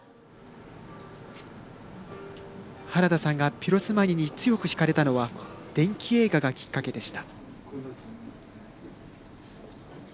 はらださんがピロスマニに強く引かれたのは伝記映画がきっかけでした。